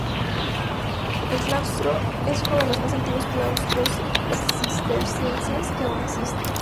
El claustro es uno de los más antiguos claustros cistercienses que aún existen.